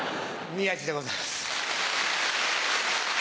宮治でございます。